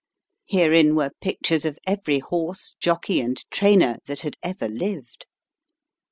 Herein were pictures of every horse, jockey, and trainer that had ever lived.